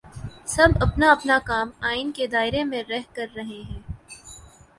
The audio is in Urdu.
سب اپنا اپنا کام آئین کے دائرے میں رہ کر رہے ہیں۔